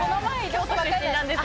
京都出身なんだ！